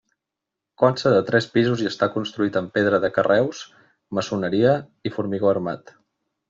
Consta de tres pisos i està construït amb pedra de carreus, maçoneria i formigó armat.